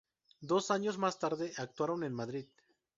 Dos años más tarde actuaron en Madrid.